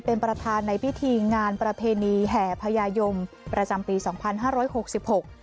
เป็นประธานในพิธีงานประเพณีแห่พญายมประจำปีสองพันห้าร้อยหกสิบหก